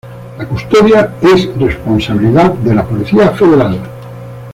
La custodia es responsabilidad de la policía federal.